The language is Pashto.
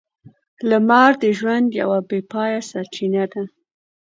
لمر د ژوند یوه بې پايه سرچینه ده.